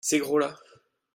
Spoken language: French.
Ces gros-là.